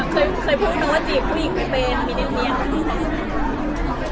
คุณเคยพูดว่าจีบผู้หญิงไม่เป็นมีในเรียน